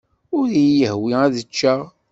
Ur iyi-yehwi ad ččeɣ.